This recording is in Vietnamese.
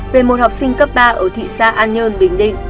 về một học sinh cấp ba ở thị xã an nhơn bình định